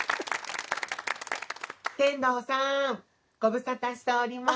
天童さんご無沙汰しております。